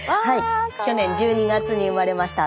去年１２月に生まれました。